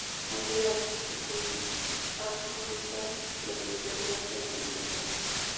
Ha sido articulista de los diarios Metro y El Universal.